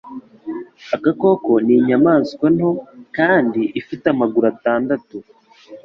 Agakoko ni inyamaswa nto kandi ifite amaguru atandatu.